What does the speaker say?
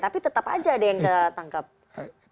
tapi tetap aja ada yang ketangkep